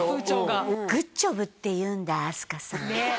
グッジョブって言うんだ飛鳥さん